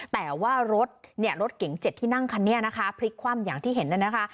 แต่ว่ารถเนี่ยรถเก๋ง๗ที่นั่งคันนี้นะคะพลิกคว่ำอย่างที่เห็นน่ะนะคะ